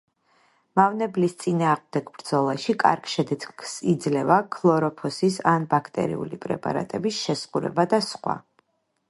მავნებლის წინააღმდეგ ბრძოლაში კარგ შედეგს იძლევა ქლოროფოსის ან ბაქტერიული პრეპარატების შესხურება და სხვა.